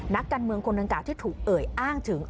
นักการเมืองคนดังกล่าที่ถูกเอ่ยอ้างถึง